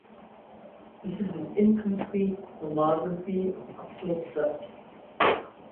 This is an incomplete filmography of Utpal Dutt.